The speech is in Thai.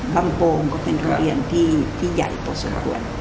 บำโปมก็เป็นโรงเรียนที่ใหญ่โปรสิรพชรวน